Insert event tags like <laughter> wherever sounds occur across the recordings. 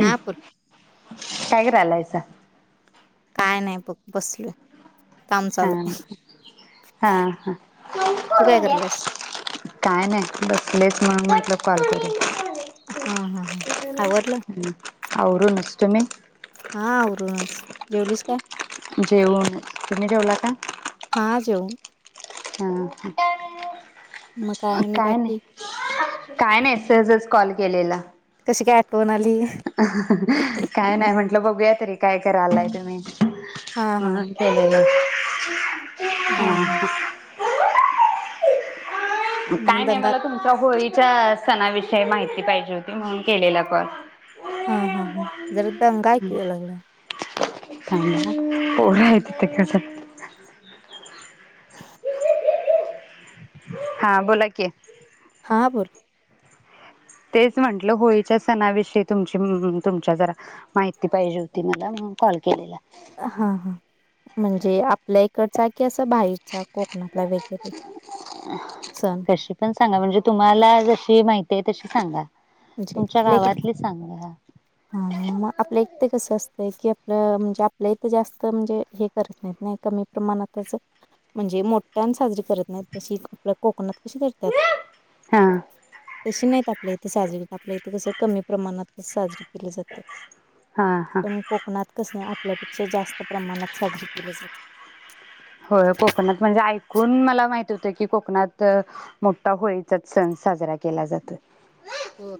हा बोल काय करायलायस? जा. काय नाही बघ बसलोय. काम हा चालू आहे हा हा, तू काय करलेस काय नाही बसलेच. मग म्हंटलं कॉल करुया. हा हा हा आवरलं आवरूनच. तुम्ही? हा आवरूनच, जेवलीस काय? जेवून, तुम्ही जेवला का? हा जेऊ हम्म. म काय आणि बाकी? काय नाही, सहजच कॉल केलेला. कशी काय आ काय नाय म्हंटलं बघूयात तरी काय करायलाय तुम्ही? हा केलेला. ह <unintelligible> हा हा हा. मग काय नाही दंगा मला तुमचा होळी चा सणाविषयी माहिती पाहिजे होती, म्हणून केलेला कॉल. हा हा हा, जरा दंगा ऐकू लागलाय. <unintelligible> हा बोला की. हा बोल. तेच म्हटलं होळीच्या सणाविषयी तुमची म म तुमच्या जरा माहिती पाहिजे होती मला, म्हणून कॉल केलेला. हा हा, म्हणजे आपल्या इकडचा की असा बाहेरचा, कोकणातला वेगैरे सण? कशी पण सांगा म्हणजे तुम्हाला जशी माहिती आहे, तशी सांगा. णजे तुमच्या आपल्या इकडे गावातली सांगा. हा मग आपल्या इते कस असतंय की न म्हणजे आपल्या इथं जास्त म्हणजे हे करत नाहीत, नाही कमी प्रमाणातच म्हणजे मोठ्या साजरी करत नाहीत, जशी आपल्या कोकणात कशी करत्यात हा तशी नाहीत आपल्यात ते साजरी करतात आपल्या इथे कसं कमी प्रमाणातच साजरी केली जात हा हा पण कोकणात कस आप इथल्यापेक्षा जास्त प्रमाणात साजरे केले जाते होय कोकणात म्हणजे ऐकून मला माहि होतंय की कोकणात मोठा होळीचाच सण साजरा केला जातो हो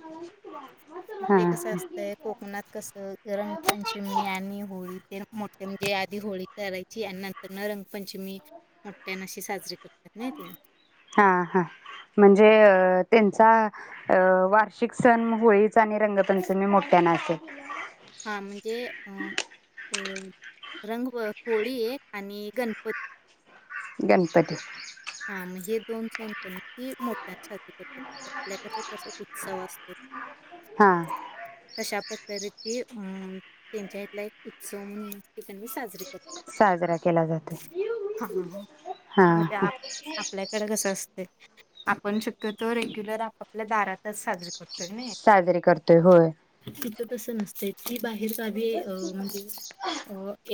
हा ते कसं असतंय कोकणात कस रंगपंचमी आणि होळी मोठ्या म्हणजे आधी होळी करायची, आणि नंतर न रंगपंचमी मोठ्यान अशी साजरी कर हा हा म्हणजे अ त्यांचा अ वार्षिक सण होळीचा आणि रंगपंचमी मोठ्याना अस हा म्हणजे अ वो रंग, होळी आणि गणपती गणपती हा मग हे दोन सण ती मोठ्या साज असतो. हा तर ते अ त्यांच्या हथला एक उत्सव म्हणून ठिकाणी साजरा साजरा केला जातोय हा हा आपल्याकडे कसं असते आपण शक्यतो रेग्युलर आपपल्या दारातच साजरा कर पण नाही साजरी करतोय होय. तिथं तस नसतय बाहेर गावी म्हणजे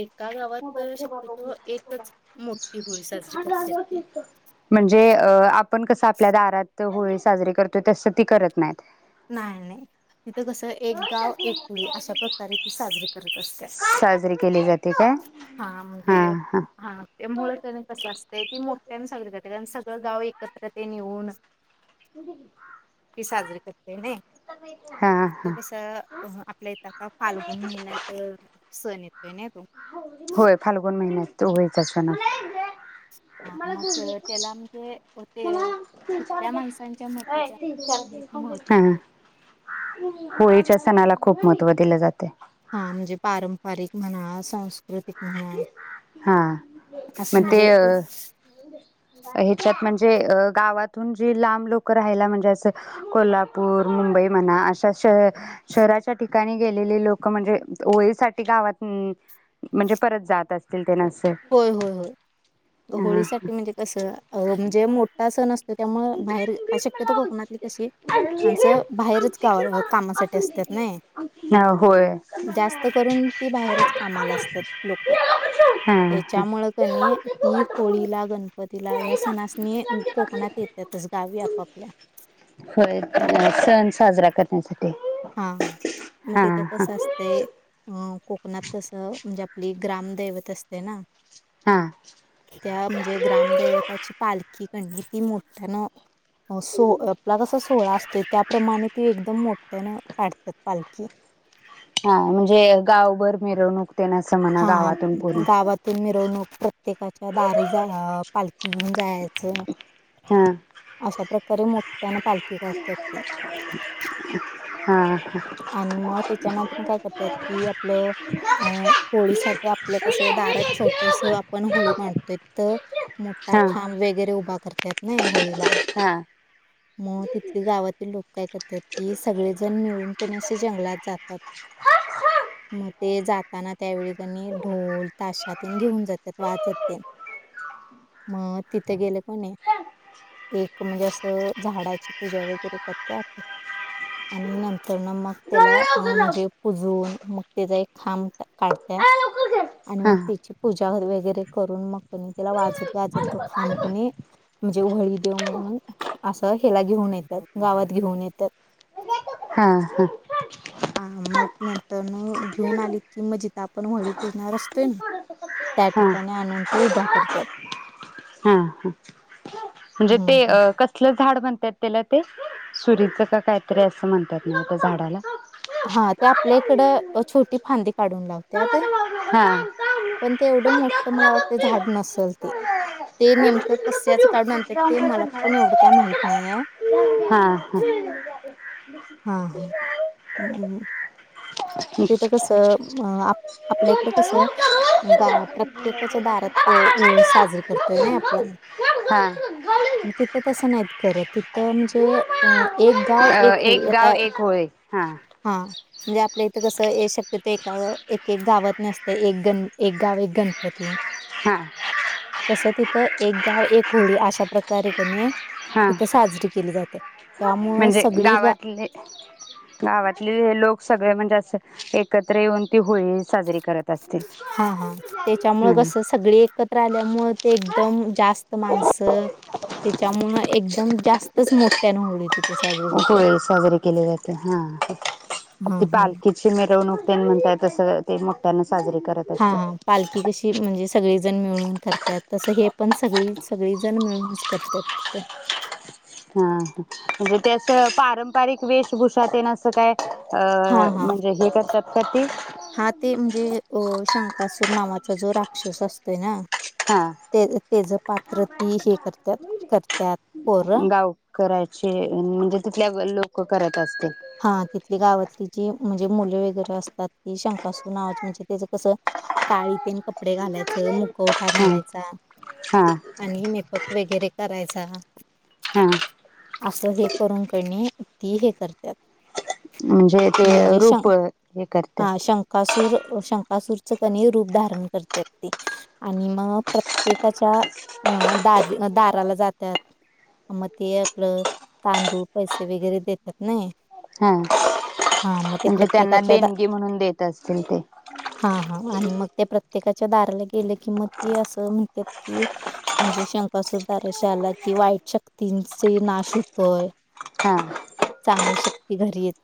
एका गावात शक्यत एकच मोठी होळी साजरी करत्यात म्हणजे अ आप पण कसं आपल्या दारात होळी साजरी करतोय तसं ती करत नाही नाय नाय तिथं कस एक गाव एक होळी अशा प्रकारे साजरी करत असत साजरी केली जाते काय हा म्हणजे हा मुळ त्याने कस <inaudible> ते मोठ्या साजरी कर सगळं गाव एकत्र तेन येऊन <unintelligible> साजरे करत्यात <unintelligible> हा फक्त हा. कस आपल्या इथं फाल्गुून महिन्यात सण येत होय. फाल्गुन महिन्यात होळीच सण अस हा, मग त्याला म्हणजे ते तिथल्या माणसांच्या मते त्या खूप महत्त्व दिले होळीच्या सणाला खूप महत्त्व दिलं जाते. हा म्हणजे पारंपरिक म्हणा संस्क हा मग असं म्हणजे ते अ ह्याच्यात म्ह जे गावातून जे लांब लोक राहिला म्हणजे असं, कोल्हापूर मुंबई म्हणा अशा शहराच्या ठिकाणी गेलेली लोक म्हणजे होळीसाठी गावात म्हणजे परत जात असतील ते नसे होय होय होय. हा होळीसाठीठ म्हणजे कस म्हणजे मोठा सण असतो त्यामुळ बाहेर गेम बीम शक्यतो मला कोकणातली कशी, आमची गेम माणसं बाहेरच आमची गावा गेम कामासाठी असून असतात, ना देते. यी हा होय. जास्त करून ती बाहेरच कामाला असत्यात लोक. हा हा. त्याच्यामुळ कणी ती होळीला गणपतीला या सणासनी कोकणात येत्यात. होय. त्या सण साजरा करण्यासाठी, हा मग हा तिथं हा. कस असतंय अ कोकणात कसं म्हणजे आपली ग्रामदैवत असते ना, हा. त्या म्हणजे ग्रामदैवताची पालखी, ती कणी ती मोठयानं, अ सो आपला जसा सोहळा असतोय, त्याप्रमाणे ती एकदम मो मोठयान काढतात पालखी. हा, म्हणजे गावभर मिरवणूक. तेन असं म्हणा हां गावातून पूर्ण हा गावातून मिरवणूक प्रत्येकाच्या दारी जाण आ पाल घेऊन जायाचं. हा अशा प्र करून मोठयान पाल <inaudible> हा.. आणि मग त्याच्यानंतर काय करत्यात हा. कि, आपलं हा अ.. हा. होळीसाठी आपल्या कस दारात छोटस आपण होळी मांडतोय तर, मोठा हा. हा खांब वगैरे उभा कर त्यात नाही होळीत. हा. म तिथले गावातील लोक काय करत्यात कि, सगळे जण मिळून कनि असे जंगलात जातात. मग ते जाताना त्यावेळी कनी ढोल ताशात घेऊन तात वाजत तेन. म तित तीथ गेले कणी एक म्हणजे असं झाडाची पूजा वगैरे करत्यात आणि नं तरन मग त्याला अ म्हणजे पुजून मग त्याजा एक खांब ट काढत्यात, आणि मग त्याची पूजा वगैरे करून मग त्याला वाजत गाजत तो खाम कनिय, म्हणजे व्हळी देव म्हणून असं हेला घेऊन येतात, गावात घेऊन येतात. <unintelligible> हा हा. आ मग नंतरण अ घेऊन आली की मजी आता आपण व्हळी पूजणार असतोय ना, त्या हं, ठिकाणी आणून तो उभा करतात हं, हं. म्हणजे हम्म ते हम्म अ कसलं? झाड म्हणतात त्याला ते, सुरीचं का काय तरी असं म्हणत्यात ना त्या झाडाला? हा ते आपल्या इकडं छोटी फांदी काढून हा लावत्यात <inaudible> पण ते एवढं मोठं मला वाटतं झाड नसेल ते. ते नेमकं कस्याचं काढून आणतात ते मला पण एवढं काय माहित नाही आहे. हा हा हां हां. हम्म. <inaudible> तिथं कसं अ आप आपल्या इकडं कसं, गा प्रत्येकाच्या दारात अ साजरी करतोय ना आपण. हा हा तिथं तसं नाहीत करत तिथं म्हणजे अ एक गाव अ एक होळी. गाव आता एक होळी हा हा <unintelligible> आपल्या इथं कसं हे शक्यत एका एक एक गावातनी अस्तय एक गण एक गाव एक गण पती, हा तस तिथ एक गाव एक होळी अशा प्रकारे <unintelligible> णीय हा त्यामुळं म्हणजे सगळी गा गावातले, गावातले लोक सगळे म्हणजे असं एकत्र येऊन ती होळी साजरी करत असतील. हा, हा त्याच्या मुळ हम्म. कस, सगळे एकत्र आल्यामुळ ते एकदम जास्त माणसं, त्याच्या मुळ एकदम जास्तच मोठ्यान होळी ति होळी साजरी केले जाते. हा हा ती हा. पालखीची मिरवणूक तेन म्हणताय तस, ते मो्ठयान हा हा पालखी कशी म्हणजे सगळी ण मिळून करत्यात तस, हे पण सगळी सगळी जण मिळूनच करत्यात तिथ. हा- हा म्हणजे ते अस पारंपारिक वेशभूषा तेन असं काय? हा अ हा म्हणजे हे करतात कॉफी हा ते म्हणजे अ शंकासूर नावाचा जो राक्षस असतोय ना, हा ते तेज पात्र ती हे करत्यात करत्यात गाव करायचे म्हणजे तिथल्या लोक करात हा तिथली गावातली जी म्हणजे मुल वगैरे असतात ती शंकासूर नावाची म्हणजे त्याच कसं काळी तेन कप पडे घालायचं मुखवठा घालायचा हा हा आणि मेपक वगैरे करायच आहा हा असं हे करून कणी ती हे कर त्यात. म्हणजे ते रूप हे करत्यात अ शंकासूरच कणी रूप धारण करत्यात ते आणि म प्रत्येकाच्या अ दा दाराला जात्यात म ते आपलं तांदूळ पैसे वगैरे देत्यात. नही हा म्हणजे त्यांना प्रत्येकाच्या दा देणगी म्हणून देत असतील ते त्येकाच्या दाराला गेले की, म ते असं म्हणत्यात की, म्हणजे शंकासूर दाराशी आला कि वाईट शक्तींचे नाश होतोय. हा चांगल्या शक्ती घरी येत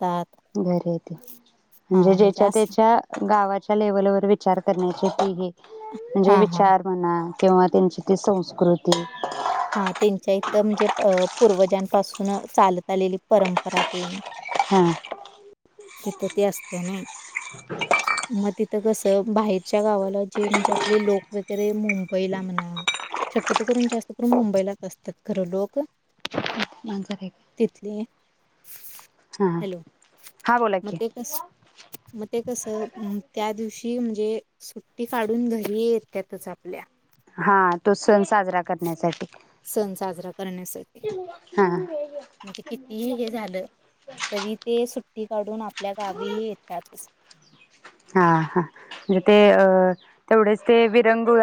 घरी येते म्हणजे हां, म्हणजे ज्याच्या असं त्याच्या गावात च्या लेवलवर विचार करण्याचे ती हे म्हणजे हां, हां, विचार म्हणा किंवा त्यांची ती संस्कृती हा त्यांच्या इथं म्हणजे अ पूर्वजांपासून चालत आलेली परंपरा तेन हा तिथं ते असते नय म तिथं कस बाहेरच्या गावाला जे म्हणजे आपले लोक वगैरे मुंबईला म्हणा शक्यतो करून जास् मुंबईलाच असतात खरं लोक मांजर हाय का तिथली हॅलो हा बोला मग की, ते कसं मग ते कसं अ त्या दिवशी म्हणजे सुट्टी काढून घरी येत्यातच आपल्या हा तो सण साजरा करण्यासाठी करण्यासा हा तीही हे झालं तरी ते सुट्टी काढून आपल्या गावी हे येतातच. हा हा म्हणजे ते अ तेवढेच ते विरंगुळा